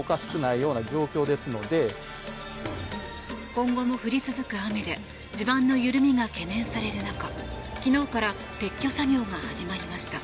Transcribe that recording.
今後も降り続く雨で地盤の緩みが懸念される中昨日から撤去作業が始まりました。